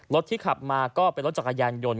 รถที่ขับมาก็เป็นรถจักรยานยนต์